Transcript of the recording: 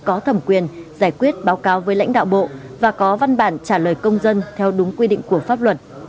có thẩm quyền giải quyết báo cáo với lãnh đạo bộ và có văn bản trả lời công dân theo đúng quy định của pháp luật